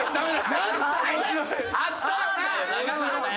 あったよ。